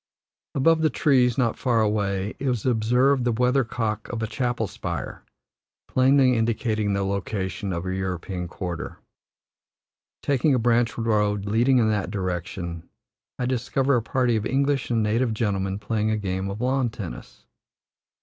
Above the trees, not far away, is observed the weathercock of a chapel spire, plainly indicating the location of the European quarter. Taking a branch road leading in that direction, I discover a party of English and native gentlemen playing a game of lawn tennis.